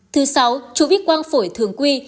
thứ sáu chụp ít quang phổi thường quy